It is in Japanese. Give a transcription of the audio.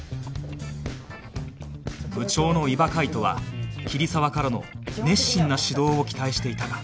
部長の伊庭海斗は桐沢からの熱心な指導を期待していたが